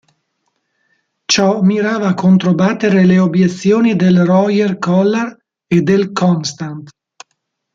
Ciò mirava a controbattere le obiezioni del Royer-Collard e del Constant.